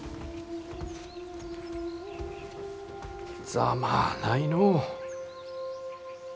ざまあないのう。